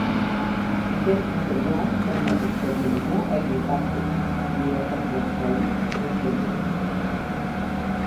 Aquest material permet absorbir millor els impactes i esmorteir les caigudes.